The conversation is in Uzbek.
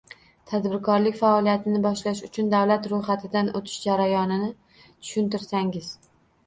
Tadbirkorlik faoliyatini boshlash uchun davlat ro’yxatidan o’tish jarayonini tushuntirsangiz?